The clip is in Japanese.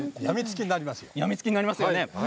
病みつきになりますよ。